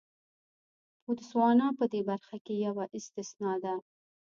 بوتسوانا په دې برخه کې یوه استثنا ده.